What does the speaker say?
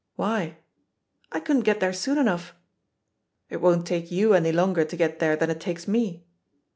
"Why?" "I couldn't get there soon enough." "It won't take you any longer to get there than it takes me."